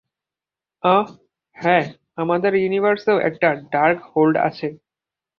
অহ, হ্যাঁ, আমাদের ইউনিভার্সেও একটা ডার্কহোল্ড আছে।